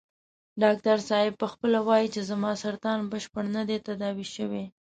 ډاکټر صاحب په خپله وايي چې زما سرطان بشپړ نه دی تداوي شوی.